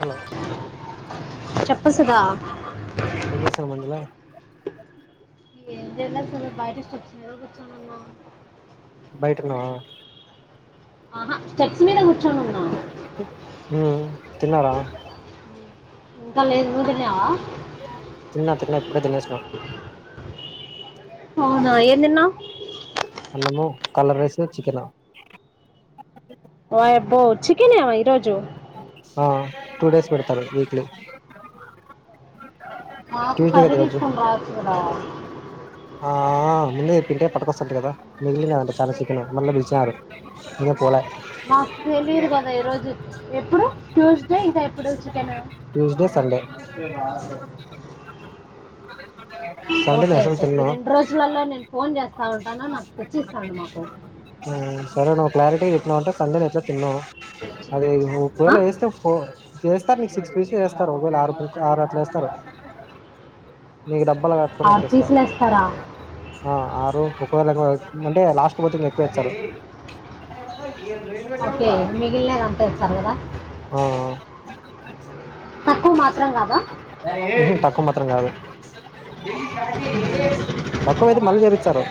Hello చెప్ వసుదా మీరేసిన మందులా ఇగ ఏం జేయలే అసలు బయట కుర్చి మీద కూర్చొనునా బయటున్నావా ఆహా చెక్స్మీద గుచ్చోన్ ఊ తిన్నారా ఇంకా లేద్ నువ్ తిన్నావా తిన్న తినక్ కఇప్పుడే తినేష్ణా అవునా ఏందిన్నావ్ అన్నము కలర్ రైసు చికెను ఓయబ్బో చ్చికనా ఈరోజు ఆ టూ డేస్ పెడతారు వీక్లీ నాకు ట్యూస్డే కర్రీ కదా ఈరోజు తీస్కొని రావచ్చు కదా ఆ ముందుయెప్పింటే పట్టుకొస్తుంటి కదా మిగిలిన అంటే చాల చికను మళ్ళీ బీలిచిచనారు నే పోలే మాకు తెలియదు కదా ఈరోజు ఎప్పుడు ట్యూస్డే ఇంకా ఎప్పుడ చికెనూ Tuesday Sunday Sunday non veg hello రెండు రోజులలో నేను ఫోన్ చేస్తా ఉంటాను నాకు తెచ్చిస్తాను మాకు ఊ సరే నువ్ క్లా క్లారిటీగా చేపినవంటే సండే నుంచే ఎన్నో అదే నువ్ ఆ? ఒకవేళ చేస్తే ఫో చేస్తారు సిక్స్ పీస్ లు ఏస్తారు ఒకవేళ ఆరు ఆరుట్ల వేస్తారు మీకు డబ్ బలా కట్టుకొని ఆరు వచ్చేస్తా పీసులు వేస్తారా అ ఆరు ఒ వాళ్లక్ వాల్ అంటే లాస్ట్ పోతే ఇంకా ఎక్కువ ఏస్తారు ఓకే మిగిలినది అంత ఏస్తారు కదా ఏకు [unintelligible] తక్కువ మాత్రం కదా హుహ్ తక్కువ మాత్రం కాదు తక్కువైతే మళ్ళీ చేపిస్తారు.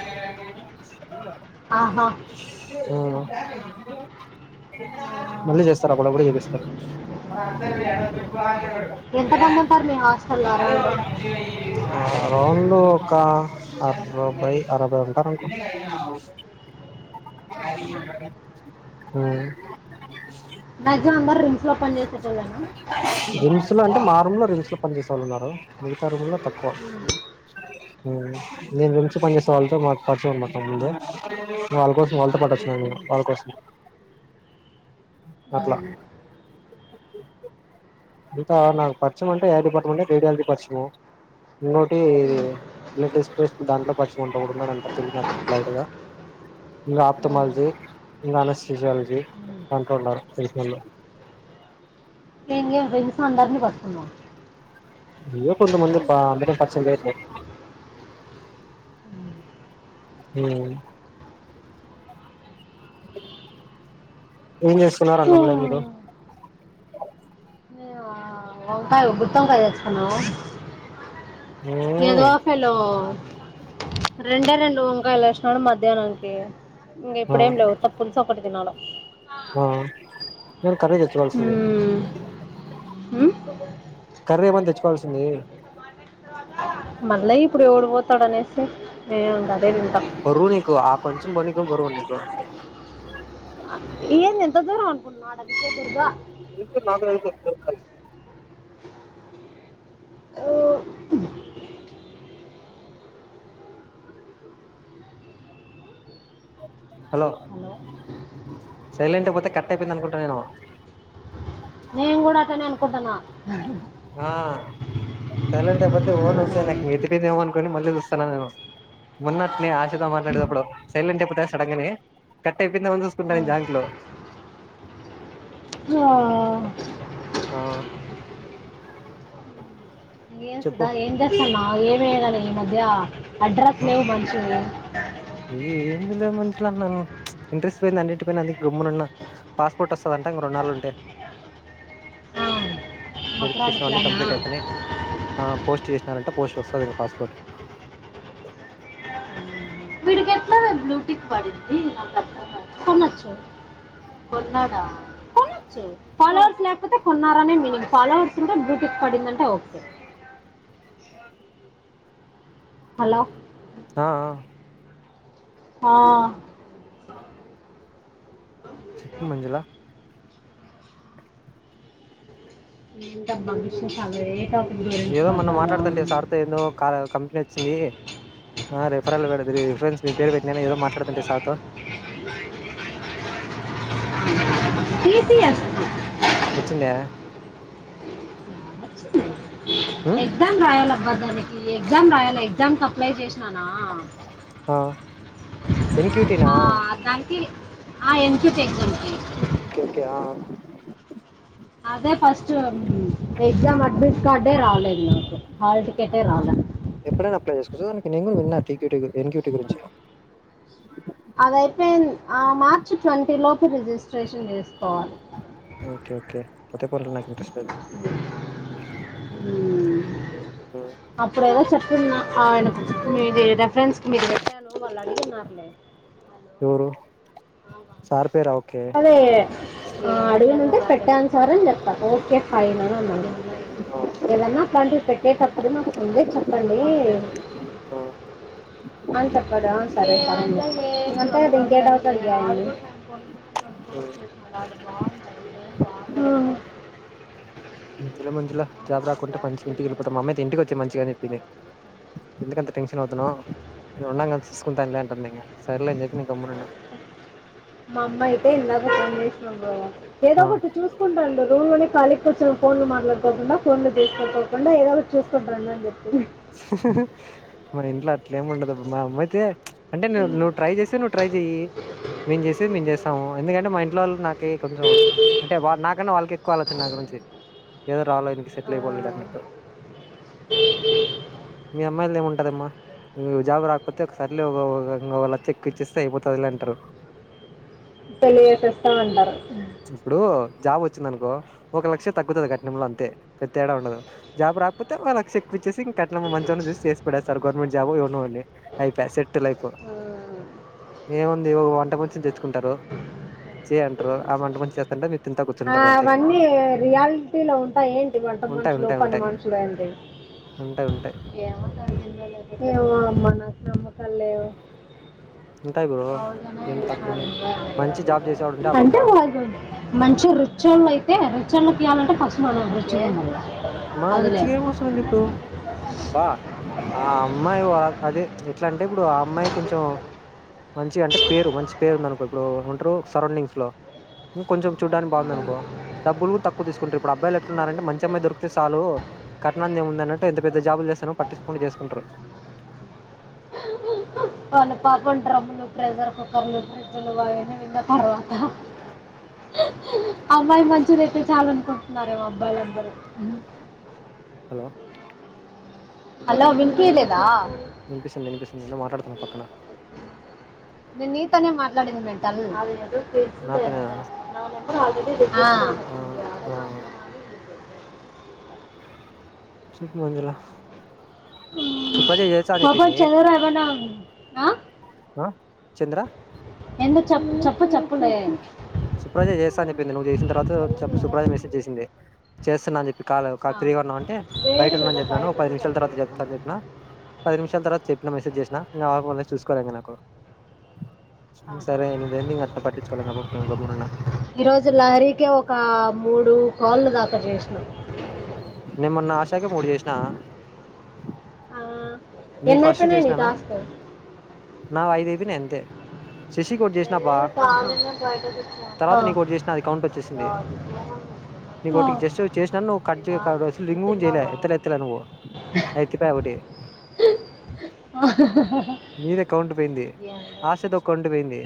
ఆహా ఆ మళ్ళీ చేస్తారా. అప్పుడప్పుడు చెపిస్తరు. బ ఎంత మంది ఉంటారు మీ హాస్టల అరౌండ్ ఇప్పుడు ఒక అరవై అరవై ఉంటారనుకో హ్ మ్యాక్సిమం అందరు రింగ్స్ లో పని చేసేటోలెనా. ఆ రూం లో రిజిస్టర్ పని చేసే వాళ్ళు ఉన్నారు. మిగతా రూంలో తక్కువ దీని గురించి పనిచేసే వాళ్ళతో మాకు పరిచయము అన్నమాట ముందే. సో వాళ్ళ కోసం వాళ్ళతో పాటు వచ్చిన నేను వాళ్ళ కోసం అట్లా ఇంకా నాకు పరిచయం అంటే ఎ డిపార్ట్మెంట్ అంటే రేడియాలజీ పరిచయము. ఇంగోటి బ్లడ్ టెస్ట్ టెస్ట్ దాంట్లో పరిచయం అంట ఒకడు ఉంటాన్నాడంట తెలియదు నాకు క్లారీటిగా. ఇంగా ఆప్తమాలజీ ఇంగా అనస్థిశియాలజీ దాంట్లో ఉన్నారు తెలిసినోళ్లు. [unintelligible] ఫెండ్స్ను అందరినీ పట్టుకున్నావు. అయ్యో కొంతమంది అబ్బా అందరు ఎం పరిచయం లేదులే. హ్ ఏం చేసుకున్నారు అన్నంలో మీరు. వంకాయ్ గుత్తోంకాయ్ చేస్కున్నాము. ఏదవ ఉమ్ ఫెలో రెండే రెండు వంకాయలు వేసినాడు మధ్యాహ్నానికి. ఇంగ ఆ ఇప్పుడేం లేవు ఉత్త పులుసు ఒకటి తినాలా. ఆ వేరే కర్రీ తెచ్చుకోవాల్సింది. మ్మ్. మ్మ్? కర్రీ ఏమన తెచ్చు కోవాల్సింది. మళ్ళ ఇప్పుడు ఎవడు పోతాడు అనేసి నేను ఉం బరువు నీకు ఆ కొంచెం పని బరువు నీకు. ఏంది ఎంత దూరం అనుకుంటున్నావు ఆడ విజయ దుర్గా. ఇ నాకు హలో సైలెంట్ అయిపోతే కట్ అయిపోయింది అనుకుంట నేను. పోతన్నా ఆ సైలెంట్ అయిపోతే ఓను వెసెనకి ఇటు కటయ్యిందేమో అనుకని మళ్ళీ చూస్తాన్నా నేను. మొన్నాట్నే ఆశతో మాట్లాడేటప్పుడు సైలెంట్ అయిపోతే సడన్ గనే కట్ అయిపోయిందో ఏమని ఆ, చూసుకుంటాను నేను జాంక్ లో ఆ ఆ ఏంసిద్ధ చెప్పు ఏంచేస్తున్నావ్? ఆ ఏమెయ్యదని ఈ మధ్య అడ్రాస్ లేవు మనిషివి ఏ ఏంది లే మనుషులందరూ ఇంట్రెస్ట్ పోయింది అన్నింటి పైన, అందుకే గమ్మునున్నా, పాస్పోర్ట్ వస్తదంట ఇంకో రెన్నాళ్లు ఉంటే వెరిఫికేషన్ అన్నీ మొత్తాడిట్లానా కంప్లీట్ అయిపోయినాయి పోస్ట్ చేసినారంట పోస్ట్ వస్తది ఇంక పాస్పోర్ట్ అట్లానే బ్లూటిక్ పడింది కొనొచ్చు, కొనొచ్చు ఫాలోవర్స్ లేకపోతే కొన్నారనే మీనింగ్. ఫాలోవర్స్ ఉంటే బ్లూటిక్ పడిందంటే ఓకే హలో ఆ ఆ ఆ చెప్పు మంజులా ఏంటబ్బా విశేషాలు ఏ టాప్ ఏదో మొన్న మాట్లాడుతాంటివి సార్తో ఏందో కాల్ కంపెనీ వచ్చింది ఆ రిఫరల్ గాదు రిఫరెన్స్ మీ పేరు పెట్టినా అనేదో మాట్లాడుతుంటివి సార్తో టీ సీ ఎస్ వచ్చిందా ఉమ్ ఎగ్జామ్ రాయాలి అబ్బ దానికి ఎగ్జామ్ రాయాలి ఎగ్జామ్ త అప్లై చేసినాన ఆ ఎన్ క్యూ టీ నా ఆ, దానికి ఆ ఎన్ క్యూ టీ ఎగ్జామ్ కి ఒకే ఒకే ఆ అదే ఫస్ట్, ఎగ్జామ్ అడ్మిట్ కార్డే రాలేదు. హాల్ టికెటే రాలే ఎప్పుడైనా అప్లై చేసుకోవచ్చ? దానికి నేను కూడా విన్నా T Q T N Q T గురించి అది అయిపోయిం ఆ మార్చి ట్వంటీ లోపు రిజిస్ట్రేషన్ చేసుకోవాలి. ఓకే ఓకే పోతే పోని లే నాకు ఇంట్రెస్ట్ లేదు లే హ్మ్ అప్పుడేదో చెప్పున్నా ఆయనకు మీది రెఫరెన్స్ కి [unintelligible] వాళ్ళు అడిగి స్తారు లే ఎవరు సార్ పేరా ఓకే అదే ఆ ఆ ఆ అడుగుతుంటే పెట్టాను సార్ అని చెప్ ఒకే ఫైనా అని అన్నాడు ఆ ఏదన్నా అట్లాంటివి పెట్ డేట్ అప్పుడు మాకు ముందే చెప్పండి ఆ, ఆ, అని చెప్పాడు [unintelligible] ఆ. హ్మ్ [unintelligible] మంజులా జాబ్ రాకుంటే మంచిగా ఇంటికి వెళ్ళిపోతా. మమ్మ అయితే ఇంటికి వచ్చేయ్ మంచిగా అని చెప్పింది. ఎందుకాంత టెన్షన్ అవుతున్నావ్? మేం ఉన్నాం కదా చూసుకుంటాం గా అంటాంది ఇంక సర్లే అని చెప్ మమ్మైతే ఇంగా [unintelligible] ఏదో ఒకటి చూసుకుంటాండు నువ్వినక్ కాళిగా కూర్చొని ఫోన్లు మాట్లాడుకోకుండా, ఫోన్లు చేసుకోకొకుండా ఏదోకటి చూసుకుంటానుండు అని చెప్పి. మా ఇంట్లో అట్లేమి ఉండదబ్బ, మా అమ్మయితే అంటే ను్ నువ్ ట్రై చేస్తే, నువ్వు ట్రై చెయ్యి. మేము చేసేది మేం చేస్ టం, ఎందుకంటే మా ఇంట్లోఆళ్లు నాక్ కే కొంచెం, అంటే వా నాకన్నా వాళ్ళకి ఎక్కువ ఆలోచన నా గురించి. ఏదో ఒకటి రావాల ఈనికి ఆ, సెటిల్ అయిపోవాలీడు అన్నట్టు. మీ అమ్మాయిల్దేమున్ పదమ్మా, ఉమ్ జాబు రాకపోతే సర్లే ఓ ఓ ఒక లక్ష ఎక్కువ ఇచ్చేస్తే అయిపోతదిలే అంటరు. పెళ్లి చేసేస్తా అంటరు. ఇప్పుడు జాబ్ వచ్చింది అనుకో, ఒక లక్ష తగ్గుతది కట్నంలో అంతే. పె త్తేడా ఉండదు. జాబ్ రాకపోతే, ఒక లక్షెక్ చ్చేసి ఇంక కట్నం మంచోడిని చూసి, చేసి పడేస్తారు గవర్నమెంట్ జాబ్ ఏవడ్నో ఒకడిని. అయిపాయే, సెట్ట్ లైఫ్. ఏముంది ఓ వంట మనిషినీ తెచ్చుకుంటరు, చేయంటరు, ఆ వంట మనిషి చేస్తుంటే మీరు తింటా కూర్చ్ ఆ, అవన్నీ రియాల్టీ లో ఉంటాఏంటి? వంట ఉంటాయి మనుషులు, ఉంటాయి పని ఉంటాయి మనుషులు అంటె? ఉంటాయి ఉంటాయి ఏమో అమ్మ. నాకు నమ్మకాల్ లేవు. ఉంటాయి బ్రో ఏం తక్కువనే మంచి జాబ్ చేసేవాడుంటే ఆ పక్క అంటే, గ మంచి రుచ్ టె లక్షల్లోకియాలంటే కష్టమవద్ [unintelligible] మా రుచికకొస్తుంది ఇప్పుడు, బా ఆ అమ్మాయి వలక్ అదే, ఎట్లాంట్ టే ఇప్పుడు, ఆ అమ్మాయి కొంచెం. మంచిగ అంటే పేరు, మంచి పేరు ఉందనుకో ఇప్పుడు ఉంటరు సరౌండింగ్స్ లో. ఇంకొంచెం చూడడానికి బాగుందనుకో, డబ్బులు కూడ తక్కువ తీసుకుంటరు. ఇప్పుడు అబ్బాయిలు ఎట్లున్నారంటే మంచిమ్మాయి దొరుకు తె సాలు, కట్నాన్ది ఏముందనంటే ఎంత పెద్ద జాబులు చేస్తానో పట్టించకొకుండ చేసుకుంటరు. వాళ్ళ పాపం డ్రమ్లు, ప్రెషర్ కుక్కర్లు, ఫ్రిడ్జ్లు అవన్ని విన్న తర్వాత. అమ్మాయి మంచిదయితే చాలనుకుంటున్నారేమో అబ్బాయిలు అందరూ. హలో హలో హలో వినిపించలేదా వినిపిస్తుంది, ఇనిపిస్తుంది. నేను మాట్లాడుతున్నా పక్కన. నేన్ నీతోనే మాట్లాడింది మెంటల్. నాతోనేనా ఆ ఆ చెపు మంజుల? సుప్రజ చేస్తా ఆ అని పాపం చెప్పింది చంద్ర ఎమన్నా? ఆ? ఆ చంద్ర ఎందుకు చెప్ ప్పు చెప్పుండయే. సుప్రాజా చేస్తా అని చెప్పింది, నువ్వు చేసిన తర్వాత చెప్ సుప్రజా మెసేజ్ చేసింది. చేస్తాన్నా అని చెప్పి. కాదగొ కా ఆ. ఫ్రీగా ఉన్నావ అంటే? బయట వేడి ఉన్నని కదా చెప్పినను, ఓ పది నిమిషాల తర్వాత బయట చెప్తా చెప్పిన. పది నిమిషాల తర్వాత చెప్ ట్ల మెసేజ్ చేసినా, ఇంగ ఆమె ఫోన్ల చూసుకోలేదింక నాకు. సరే నీదెంది, ఇంగ అట్ట పట్టిచుకోలేగపో. ఈరోజు, లహరికే ఒక మూడు కాళ్ళు దాక చే ఎస్ను నిమొన్న ఆశాకే మూడు చేసిన ఆ, నీకు ఎన్ని ఫస్ట్ అయిపోయినాయి నీ చేసినానా టాస్క్ నావి ఐదయి నీ అంతె శశీ కొటి చేసినా బా లేదు కావాలన్నా బయటకు తర్వాత వచ్చాను నీకు ఒకటి చేసినా అది అ కౌంట్ వచ్చేసింది రాదు. నీకో ఒకటికి జస్ట్ చేసినాను నువ్వు పచ్చి కా తినాలి అసలు నువ్వు రింగు చేయలే తిన్నావా ఎత్తల ఎత్తలే నువ్వు ఎత్తిపా ఒకటి మీద కౌంట్ పోయింది ఆశతో కౌంట్ పోయింది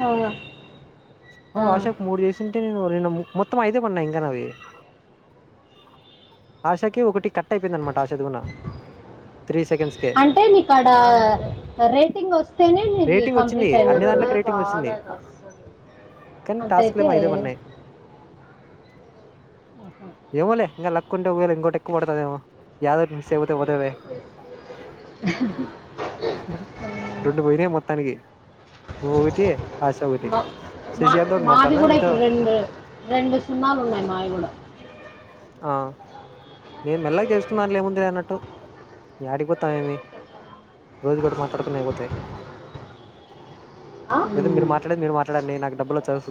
ఓ అశోక్ మూడు జేసీ నిను నిను మొత్తము ఐదే ఉన్నాయి ఇంక నవి ఆశకి ఒకటి క త్రీ సెకండ్స్ కే అంటే నీకడ రేటింగ్ ఓస్తేనే నీది రేటింగ్ వచ్చింది కంప్లీట్ అన్ని దాంట్లోకి అయినట్టు రేటింగ్ వచ్చింది కానీ టాస్క్ అంటయితే లేమో ఐదే పడినాయి ఇంగ లత్ కుంట ఇకోటి ఎక్కు పడుతది ఏదోకటి ఫిక్స్ పోతే పోయ మొత్తానికి రెండు పోయినాయి నువ్వు ఒకటి ఆశ ఒకటి మా శేషాంక్ తో మాది మాట్లాడిన కూడా నీతో ఇప్పుడు రెండు రెండు సున్నాలు ఉన్నాయి మావి కూడా ఆ నేను మెల్లగ చేస్తున్నాను లేముంది లే అన్నట్టు న ఏడిగిపోతాం ఏమి రోజు కూడా మాట్లాడుకున్న అయిపోతాయి ఆ? ఏదో మీరు మాట్లాడే మీరు మాట్డండి నాకు డబ్బులు వచ్చసస్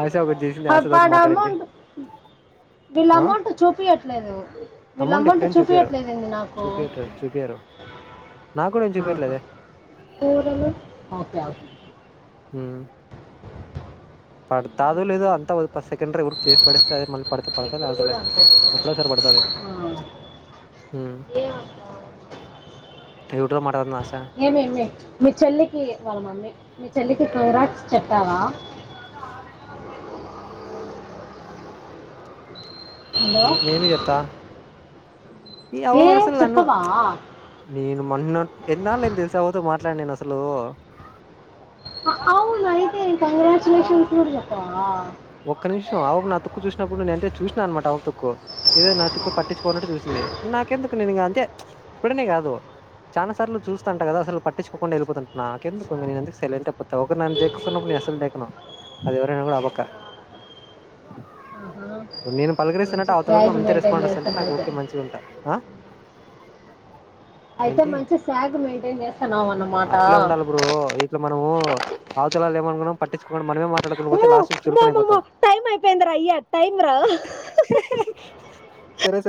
ఆశ ఒకటి చేసింది ఆశాతో ఒకటి వాడు మాట్లాడింది అమౌంట్ వీళ్ళ ఆ అమౌంట్ చూపియట్లేదు వీళ్ళ అమౌంట్ ఇప్పుడేం చూపియరు చూపించట్లేదేంటి నాకు చూపియట్లేదు చూపియరు నాకు కూడా ఏం చూపియట్లేదే పలు ఓకే ఉ పడుతాదో లేదో అంతా సెకండరీ వర్క్ చేసి పడేస్తే అదే మళ్ళీ పడత పడతా ఇప్పుడు లేపోతేలే కూడా ఎప్పుడోసారి పడతది ఉమ్ ఎవరితో మాట్లాడుతుంది ఆశ అంతేమే మీ చెల్లికి వాళ్ళ మమ్మీ మీ చెల్లికి రాట్ చెప్పావా హలో నేనేందు చెప్తా ఈ ఏ అవ్వబడి అసలు నన్ను చెప్పవా నేను మొన్న ఎన్నాళ్ళు ఏం తెలుస అవ్వతో మాట్లాడి నేను అస్ హలో అవును అయితే కంగ్రాచులేషన్స్ కూడా చెప్పవా ఒక్క నిమిషం ఆవు నా తుక్కు చూసినప్పుడు నేంటే చూస్ అనమాట ఆ తుక్కు ఇదో నా తక్కు పట్టించుకోనట్టు చూసింది నాకేందుకు నేను అంతే ఇప్పుడేనే కాదు చాలనా సార్లు చూస్తాంట కదా అసలు పట్టించుకోకుండా వెళ్ళిపోతుంటనా ఇంకెందుకు నేనంటే సైలెంట్ ఐపోతావు నన్ను దేకనప్పుడు నేను అసల్కు దేఖనూ అది ఏవ చూడను ఆ పక్క నేను మంచి పలకరిసినట్టు అవతల స్నేహం అంతే మెయింటైన్ రెస్పాండ్ వస్తు అంటే చేస్తాను నాకు అయితే ఓకే మంచిగా ఉంటాది అయితే ఏంటి మంచి శాగ్ మెయింటైన్ చేస్తున్నావు అన్నమాట అట్లే ఉండాలి బ్రో ఇట్లా మనము అవతలా లేమనుకున్నా పట్టించుకోని మనమే మాట్లడుకుపోతే లాస్ట్కి చులు వామ్మో టైమ్ అయిపోయిందరా అయ్య టైమ్ రా సరే సరే